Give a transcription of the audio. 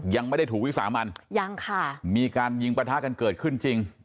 ยังไม่ได้ถูกวิสามันยังค่ะมีการยิงประทะกันเกิดขึ้นจริง